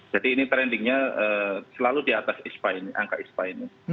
jadi ini trendingnya selalu di atas angka ispa ini